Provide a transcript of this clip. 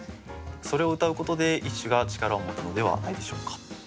それをうたうことで一首が力を持つのではないでしょうか。